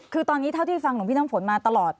คือตอนนี้เท่าที่ฟังหลวงพี่น้ำฝนมาตลอด